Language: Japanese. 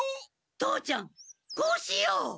父ちゃんこうしよう！